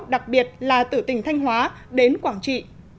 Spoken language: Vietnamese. đặc biệt là tử tình thanh hóa đến quảng trị